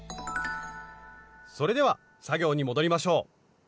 それでは作業に戻りましょう。